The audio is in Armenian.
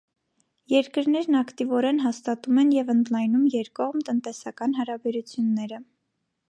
Երկրներն ակտիվորեն հաստատում են և ընդլայնում երկկողմ տնտեսական հարաբերությունները։